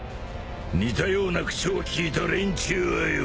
似たような口を利いた連中はよ。